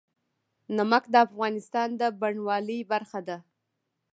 نمک د افغانستان د بڼوالۍ برخه ده.